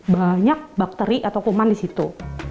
banyak bakteri atau kuman di situ